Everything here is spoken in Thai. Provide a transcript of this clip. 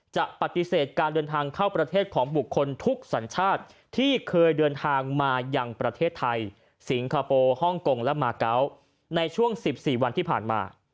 จะปฏิเสธการเดินทางเข้าประเทศของบุคคลทุกสัญชาติที่เคยเดินทางมายังประเทศไทยสิงคโปร์ฮ่องกงและมาเกาะในช่วง๑๔วันที่ผ่านมา